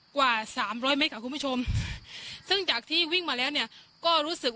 กว่าสามร้อยเมตรค่ะคุณผู้ชมซึ่งจากที่วิ่งมาแล้วเนี่ยก็รู้สึก